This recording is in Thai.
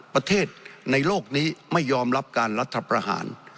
ประเทศในโลกนี้ไม่ยอมรับการรัฐประหาร